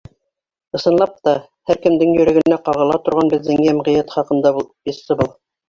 Ысынлап та, һәр кемдең йөрәгенә ҡағыла торған беҙҙең йәмғиәт хаҡында пьеса был.